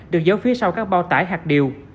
được giấu phía sau các bao tải hạt điều